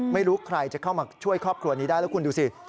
ไม่รู้ใครจะเข้ามาช่วยครอบครัวนี้ได้แล้วคุณดูสิ